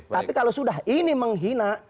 tapi kalau sudah ini menghina